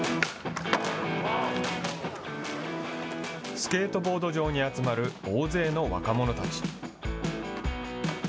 スケートボード場に集まる、大勢の若者たち。